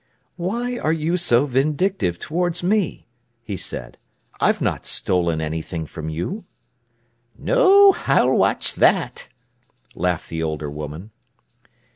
"Why are you so vindictive towards me?" he said. "I've not stolen anything from you." "No; I'll watch that," laughed the older woman.